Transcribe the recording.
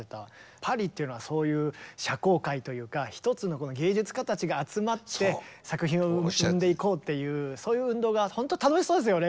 パリっていうのはそういう社交界というか一つの芸術家たちが集まって作品を生んでいこうっていうそういう運動がほんと楽しそうですよね。